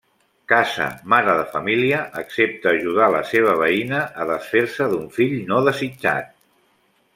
Casa, mare de família, accepta ajudar la seva veïna a desfer-se d'un fill no desitjat.